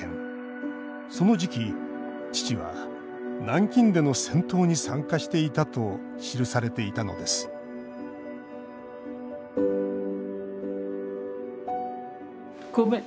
その時期、父は南京での戦闘に参加していたと記されていたのですごめん。